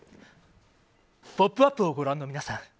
「ポップＵＰ！」をご覧の皆さん。